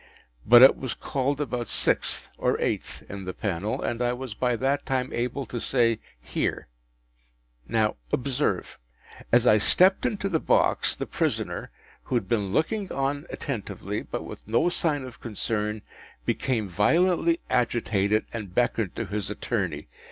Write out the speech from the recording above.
But it was called about sixth or eighth in the panel, and I was by that time able to say, “Here!” Now, observe. As I stepped into the box, the prisoner, who had been looking on attentively, but with no sign of concern, became violently agitated, and beckoned to his attorney.